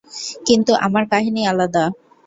কিন্তু আমার কাহিনি আলাদা।